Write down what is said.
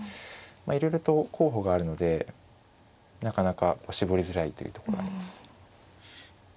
いろいろと候補があるのでなかなか絞りづらいというところあります。